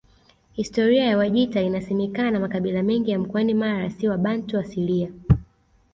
Historia ya Wajita Inasemekana makabila mengi ya mkoani Mara si wabantu asilia